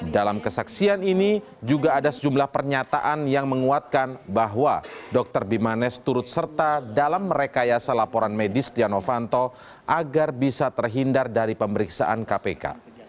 dalam kesaksian ini juga ada sejumlah pernyataan yang menguatkan bahwa dr bimanes turut serta dalam merekayasa laporan medis setia novanto agar bisa terhindar dari pemeriksaan kpk